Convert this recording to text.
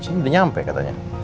ciri udah nyampe katanya